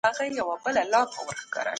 نظام باید د خلګو په خدمت کي وي.